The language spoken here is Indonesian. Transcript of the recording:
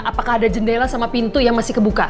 apakah ada jendela sama pintu yang masih kebuka